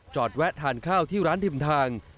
แวะทานข้าวที่ร้านริมทาง